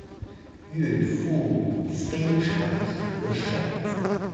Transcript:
岳父母非常和善